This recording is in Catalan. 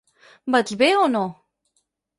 Vaig bé o no?